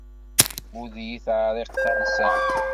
Ur d iyi-teɛṛiq tansa-m.